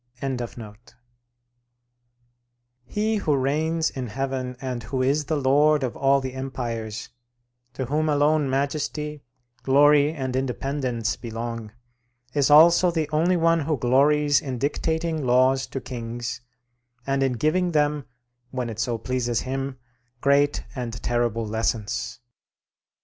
] He who reigns in heaven and who is the Lord of all the empires, to whom alone majesty, glory, and independence belong, is also the only one who glories in dictating laws to kings, and in giving them, when it so pleases him, great and terrible lessons.